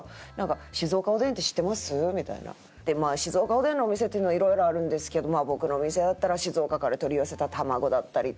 「静岡おでんのお店っていうのはいろいろあるんですけど僕のお店だったら静岡から取り寄せた卵だったりとか」。